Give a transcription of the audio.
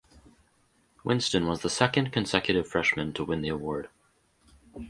Winston was the second consecutive freshman to win the award.